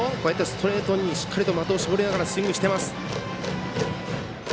ストレートに的を絞りながらスイングしています。